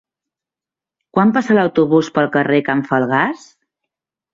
Quan passa l'autobús pel carrer Can Falgàs?